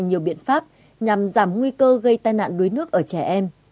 và có nhiều biện pháp nhằm giảm nguy cơ gây tai nạn đuối nước ở trẻ em